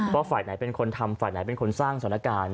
ฝ่ายไหนเป็นคนทำฝ่ายไหนเป็นคนสร้างสถานการณ์